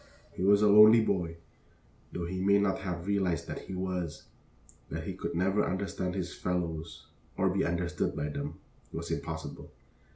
He was a lonely boy, though he may not have realized that he was. That he could ever understand his fellows, or be understood by them, was impossible.